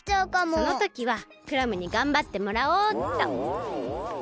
そのときはクラムにがんばってもらおうっと。